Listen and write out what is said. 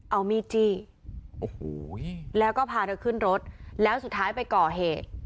เอามีดจี้โอ้โหแล้วก็พาเธอขึ้นรถแล้วสุดท้ายไปก่อเหตุ